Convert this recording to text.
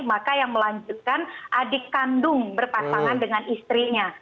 maka yang melanjutkan adik kandung berpasangan dengan istrinya